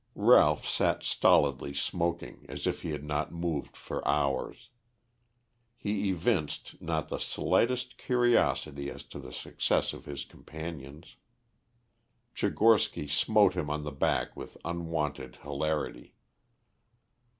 Ralph sat stolidly smoking as if he had not moved for hours. He evinced not the slightest curiosity as to the success of his companions. Tchigorsky smote him on the back with unwonted hilarity.